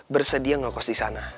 bersedia ngokos di sana